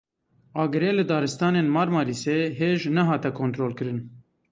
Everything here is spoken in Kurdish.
Agirê li daristanên Marmarîsê hêj nehate kontrolkirin.